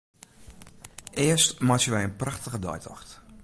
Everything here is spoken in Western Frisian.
Earst meitsje wy in prachtige deitocht.